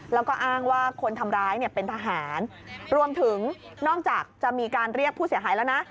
แล้วก็อ้างว่าคนทำร้ายเนี่ยเป็นทหารรวมถึงนอกจากจะมีการเรียกผู้เสียหายแล้วนะ